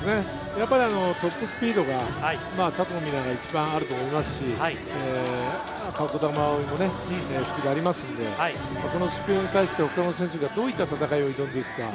トップスピードが佐藤水菜が一番あると思いますし、児玉碧衣もスピードありますんで、そのスピードに対して、他の選手がどういった戦いを挑んでいくか。